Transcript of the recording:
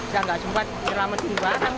saya tidak sempat menyelamatkan barang